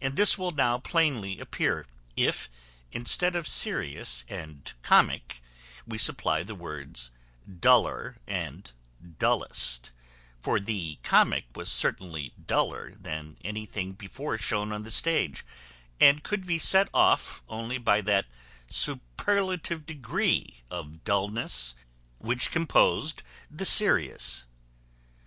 And this will now plainly appear, if, instead of serious and comic, we supply the words duller and dullest; for the comic was certainly duller than anything before shown on the stage, and could be set off only by that superlative degree of dulness which composed the serious.